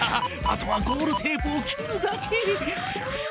あとはゴールテープを切るだけ。